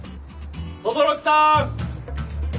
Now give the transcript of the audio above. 轟木さん！